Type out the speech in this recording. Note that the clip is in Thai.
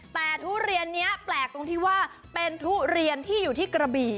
แต่ทุเรียนนี้แปลกตรงที่ว่าเป็นทุเรียนที่อยู่ที่กระบี่